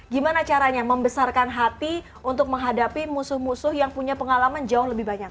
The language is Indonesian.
gimana caranya membesarkan hati untuk menghadapi musuh musuh yang punya pengalaman jauh lebih banyak